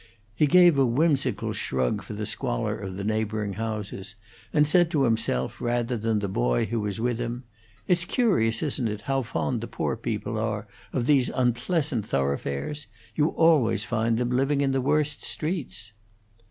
He gave a whimsical shrug for the squalor of the neighboring houses, and said to himself rather than the boy who was with him: "It's curious, isn't it, how fond the poor people are of these unpleasant thoroughfares? You always find them living in the worst streets."